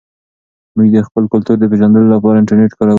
موږ د خپل کلتور د پېژندلو لپاره انټرنیټ کاروو.